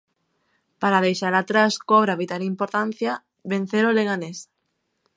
Para deixala atrás cobra vital importancia vencer ao Leganés.